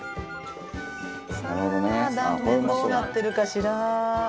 さあ断面どうなってるかしら？